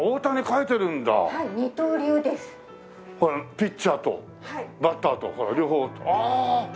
ピッチャーとバッターとほら両方ああ。